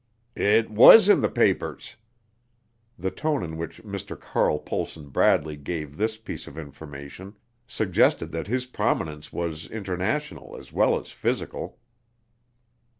"It was in the papers." The tone in which Mr. Carl Pohlson Bradley gave this piece of information suggested that his prominence was international as well as physical.